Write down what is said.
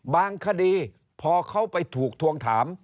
คดีพอเขาไปถูกทวงถาม